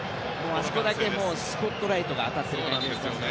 あそこだけスポットライトが当たってる感じだよね。